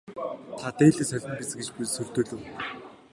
Та дээлээ солино биз гэж сүрдүүлэв.